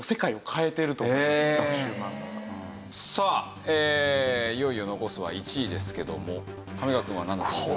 結構さあいよいよ残すは１位ですけども上川くんはなんだと思いますか？